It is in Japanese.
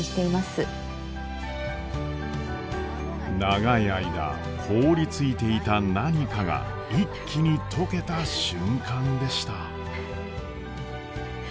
長い間凍りついていた何かが一気に解けた瞬間でした。